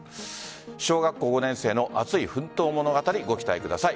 小学校５年生の熱い奮闘物語ご期待ください。